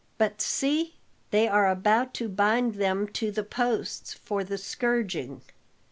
But see! They are about to bind them to the posts for the scourging."